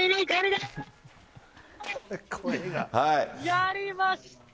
やりました！